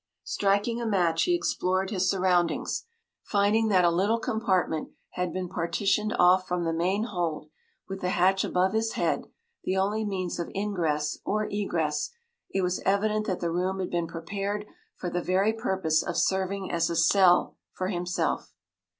Striking a match, he explored his surroundings, finding that a little compartment had been partitioned off from the main hold, with the hatch above his head the only means of ingress or egress. It was evident that the room had been prepared for the very purpose of serving as a cell for himself.